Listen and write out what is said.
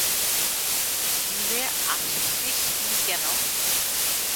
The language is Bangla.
জিমে আসিসনি কেন?